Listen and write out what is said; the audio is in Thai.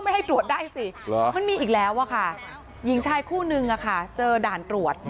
แต่ว่าดิฉันพวกคุณไม่มีสิทธิ์ที่จะมากล่าวหาเรา